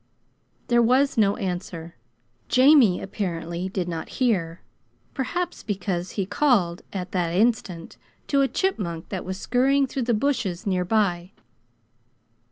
There was no answer. Jamie, apparently, did not hear; perhaps because he called, at that instant, to a chipmunk that was scurrying through the bushes near by.